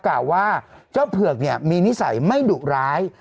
กล่าวว่าเจ้าเผือกมีนิสัยไม่ดุร้าย